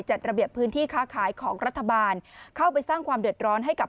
จัดระเบียบพื้นที่ค้าขายของรัฐบาลเข้าไปสร้างความเดือดร้อนให้กับ